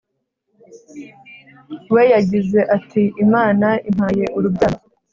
we yagize ati Imana impaye urubyaro